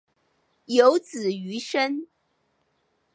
有子俞深。